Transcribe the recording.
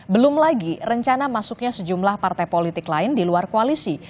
belum lagi rencana masuknya sejumlah partai politik lain di luar koalisi